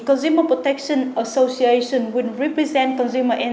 trong phương pháp của công ty protect asean